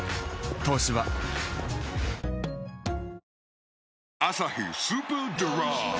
「東芝」「アサヒスーパードライ」